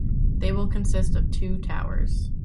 They will consist of two towers.